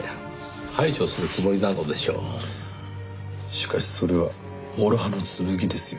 しかしそれは諸刃の剣ですよ。